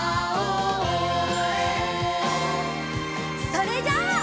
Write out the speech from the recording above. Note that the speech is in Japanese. それじゃあ。